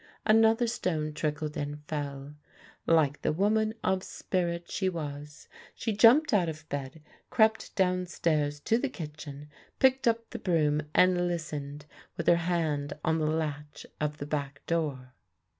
Another stone trickled and fell. Like the woman of spirit she was, she jumped out of bed, crept downstairs to the kitchen, picked up the broom, and listened, with her hand on the latch of the back door.